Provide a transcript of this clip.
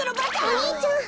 お兄ちゃん。